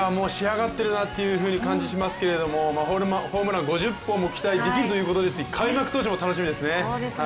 仕上がってるなという感じがしますけど、ホームラン５０本も期待できるということですし開幕投手も楽しみですね。